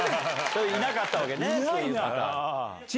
いなかったわけね。